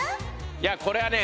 いやこれはね